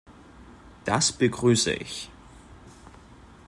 Das begrüße ich.